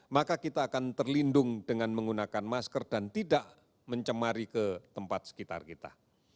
maka kita akan terlindung dengan menggunakan masker dan tidak mencemari ke tempat sekitar kita